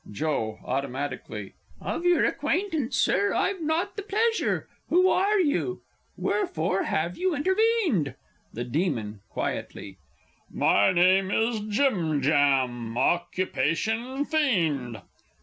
Joe (automatically). Of your acquaintance, Sir, I've not the pleasure. Who are you? Wherefore have you intervened? The Demon (quietly). My name is "Jim Jam;" occupation fiend.